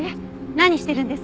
何してるんです？